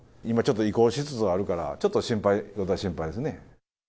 今ちょっと移行しつつあるから、ちょっと心配、私は心配ですね。